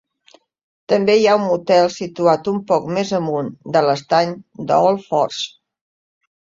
També hi ha un motel situat un poc més amunt de l'estany d'Old Forge.